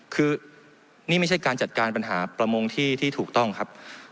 คือนี่ไม่ใช่การจัดการปัญหาประมงที่ถูกต้องครับ